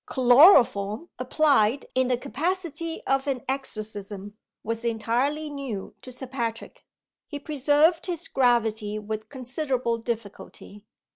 '" Chloroform, applied in the capacity of an exorcism, was entirely new to Sir Patrick. He preserved his gravity with considerable difficulty.